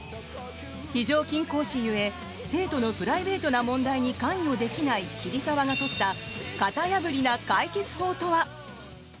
非常勤講師ゆえ生徒のプライベートな問題に関与できない桐沢が取った型破りな解決法とは？